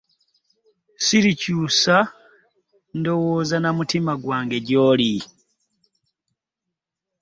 Sirikyusa ndowooza namutima gwange gyoli.